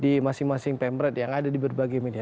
di masing masing pemret yang ada di berbagai media